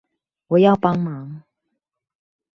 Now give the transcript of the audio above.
我要幫忙